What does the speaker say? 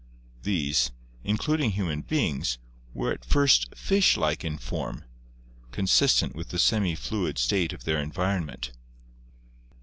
These, including human beings, were at fir t fish like in form, consistent with the semi fluid state of their environment.